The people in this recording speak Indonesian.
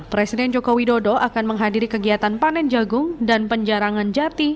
presiden joko widodo akan menghadiri kegiatan panen jagung dan penjarangan jati